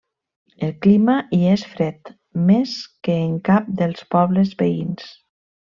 El clima hi és fred, més que en cap dels pobles veïns.